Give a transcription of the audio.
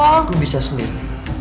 aku bisa sendiri